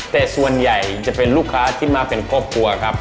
แต่ส่วนใหญ่จะเป็นลูกค้าที่มาเป็นครอบครัวครับ